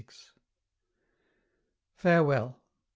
Farewell!